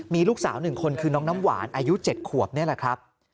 มีลูกสาว๑คนคือน้องน้ำหวานอายุ๗ขวบนี่แหละครับ